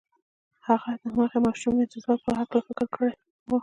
هغه د هماغې ماشومې د ځواک په هکله فکر کړی و.